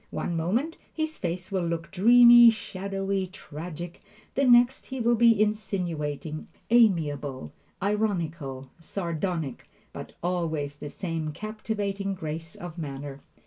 One moment his face will look dreamy, shadowy, tragic; the next he will be insinuating, amiable, ironical, sardonic; but always the same captivating grace of manner.